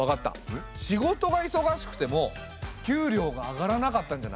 仕事がいそがしくても給料が上がらなかったんじゃない？